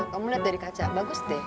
kamu lihat dari kaca bagus deh